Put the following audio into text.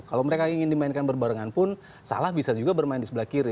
kalau mereka ingin dimainkan berbarengan pun salah bisa juga bermain di sebelah kiri